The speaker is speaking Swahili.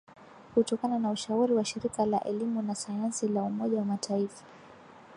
kutokana na ushauri wa shirika la elimu na sayansi la umoja wa mataifa